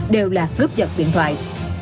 đều là cướp vật điện thoại